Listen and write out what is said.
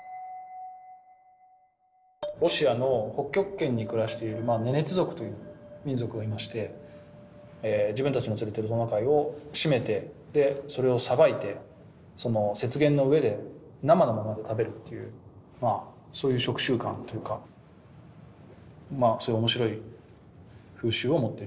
ロシアの北極圏に暮らしているネネツ族という民族がいまして自分たちの連れてるトナカイを絞めてそれをさばいてその雪原の上で生のままで食べるというそういう食習慣というかまあそういう面白い風習を持っている。